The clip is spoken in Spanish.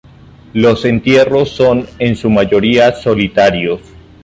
Los entierros son, en su mayoría, solitarios.